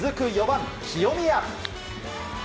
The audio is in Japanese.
４番、清宮。